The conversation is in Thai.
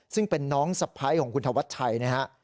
ซึ่งเป็นน้องสะพ้ายของคุณธวัชชัยนะฮะ